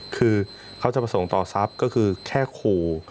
คือเขาจะประสงค์ต่อทรัพย์แค่คูค์